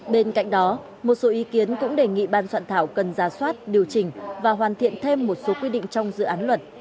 bên cạnh đó một số ý kiến cũng đề nghị ban soạn thảo cần ra soát điều chỉnh và hoàn thiện thêm một số quy định trong dự án luật